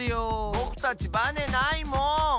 ぼくたちバネないもん！